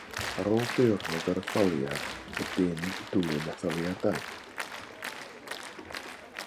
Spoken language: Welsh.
Ar ôl diwrnod yr etholiad, y Dim Dwyn Etholiadau!